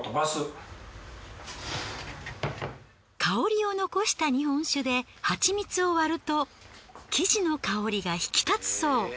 香りを残した日本酒でハチミツを割ると生地の香りが引き立つそう。